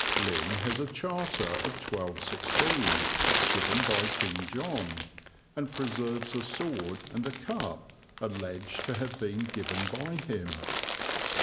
Lynn has a charter of 1216, given by King John, and preserves a sword and a cup alleged to have been given by him.